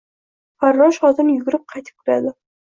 Farrosh x o t i n yugurib qaytib kiradi